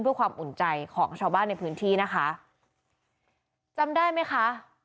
เพื่อความอุ่นใจของชาวบ้านในพื้นที่นะคะจำได้ไหมคะ